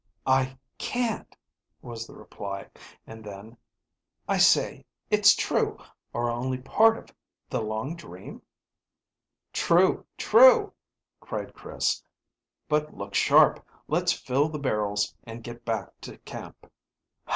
"I can't," was the reply. And then: "I say, is it true, or only part of the long dream?" "True, true!" cried Chris. "But look sharp. Let's fill the barrels and get back to camp."